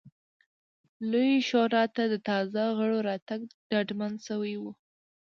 لویې شورا ته د تازه غړو راتګ ډاډمن شوی و.